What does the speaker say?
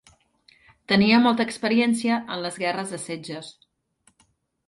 Tenia molta experiència en les guerres de setges.